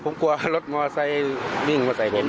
คงกลัวรถมอเซอร์วิ่งมาทางสนใจผม